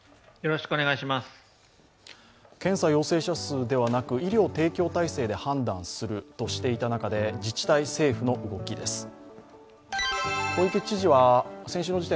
検査陽性者数ではなく医療提供体制で判断するとしていた中で自治体政府の動きです。